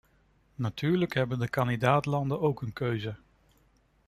Natuurlijk hebben de kandidaat-landen ook een keuze.